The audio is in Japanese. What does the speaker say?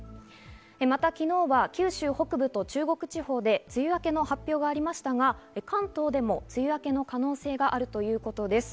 また昨日は九州北部と中国地方で梅雨明けの発表がありましたが、関東でも梅雨明けの可能性があるということです。